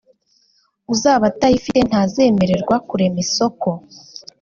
uzaba atayifite ntazemererwa kurema isoko